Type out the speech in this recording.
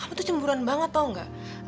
kamu tuh cemburan banget tau gak